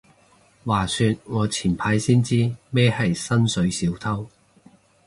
話說我前排先知咩係薪水小偷